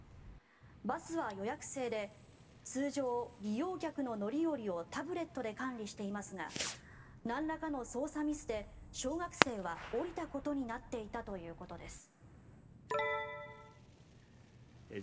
バスは予約制で通常、利用客の乗り降りをタブレットで管理していますがなんらかの操作ミスで小学生は降りたことになっていたということです。